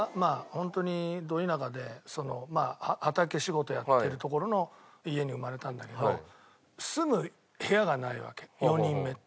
本当にド田舎でまあ畑仕事やってるところの家に生まれたんだけど住む部屋がないわけ４人目って。